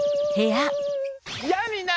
やあみんな！